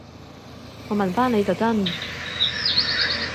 我問返你就真